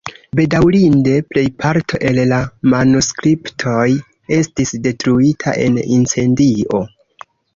Bedaŭrinde, plejparto el la manuskriptoj estis detruita en incendio.